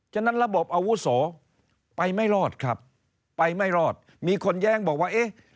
ฉะนั้นระบบอาวุโสไปไม่รอดครับไปไม่รอดมีคนแย้งบอกว่าเอ๊ะ